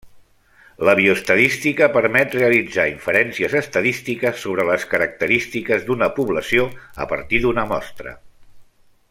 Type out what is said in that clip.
La bioestadística permet realitzar inferències estadístiques sobre les característiques d'una població a partir d'una mostra.